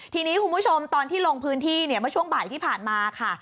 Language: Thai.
ทีนี้คุณผู้ชมตอนที่ลงพื้นที่เนี่ยเมื่อช่วงบ่ายที่ผ่านมาค่ะ